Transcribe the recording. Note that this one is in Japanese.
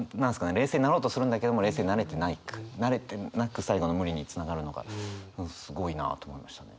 冷静になろうとするんだけども冷静になれてないなれてなく最後の「無理！」につながるのがすごいなと思いましたね。